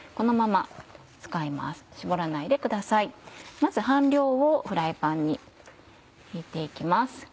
まず半量をフライパンに入れて行きます。